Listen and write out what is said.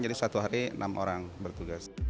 jadi satu hari enam orang bertugas